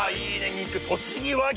肉とちぎ和牛？